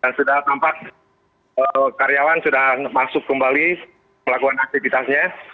dan sudah tampak karyawan sudah masuk kembali melakukan aktivitasnya